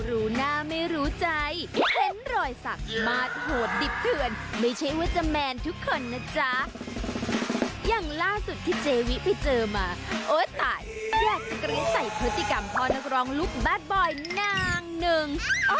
ทุกคนไม่ใช่ว่าจะแมนทุกคนนะจ๊ะอย่างล่าสุดที่เจวีไปเจอมาโอ๊ยตายแยกจะเกลียดใส่พฤติกรรมพ่อนักร้องลูกแบดบอยนางหนึ่ง